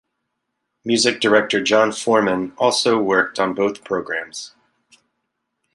Music Director John Foreman also worked on both programs.